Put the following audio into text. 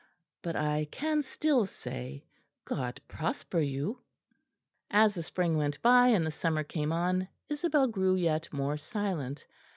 But I can still say, God prosper you." As the spring went by and the summer came on, Isabel grew yet more silent.